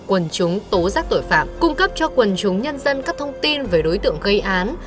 quần chúng tố giác tội phạm cung cấp cho quần chúng nhân dân các thông tin về đối tượng gây án